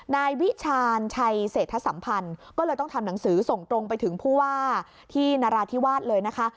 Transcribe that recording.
นายวิชาญชัยเศรษฐสัมพันธ์ก็เลยต้องทำหนังสือส่งตรงไปถึงผู้ว่าที่นราธิวาสเลยนะคะ